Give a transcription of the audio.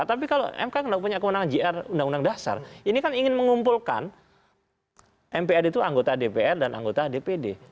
tapi kalau mk tidak punya kewenangan jr undang undang dasar ini kan ingin mengumpulkan mpr itu anggota dpr dan anggota dpd